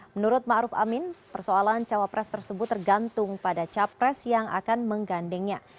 menurut ma'ruf amin persoalan cawapres tersebut tergantung pada capres yang akan menggandengnya